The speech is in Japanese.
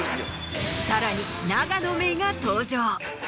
さらに永野芽郁が登場。